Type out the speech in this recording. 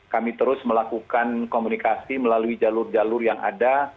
kami terus melakukan komunikasi melalui jalur jalur yang ada